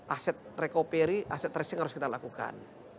aset recoperi aset tracing harus kita lakukan